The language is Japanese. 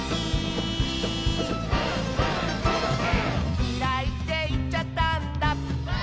「きらいっていっちゃったんだ」